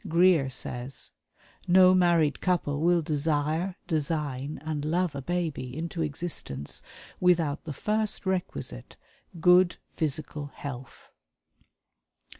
Greer says: "No married couple will desire, design and love a babe into existence without the first requisite good physical health."